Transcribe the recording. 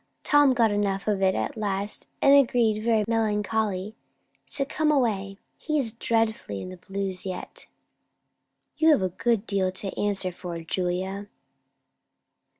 Tom got enough of it at last, and agreed, very melancholy, to come away. He is dreadfully in the blues yet." "You have a good deal to answer for, Julia."